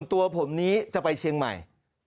ตัวผมนี้จะไปเชียงใหม่